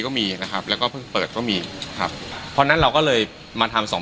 ก็มีนะครับแล้วก็เพิ่งเปิดก็มีครับเพราะฉะนั้นเราก็เลยมาทำสอง